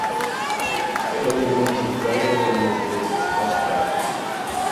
The only means of journeying in those days was horseback.